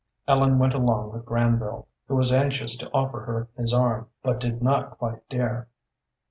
Ellen went along with Granville, who was anxious to offer her his arm, but did not quite dare.